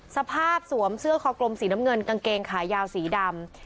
สวมเสื้อคอกลมสีน้ำเงินกางเกงขายาวสีดำ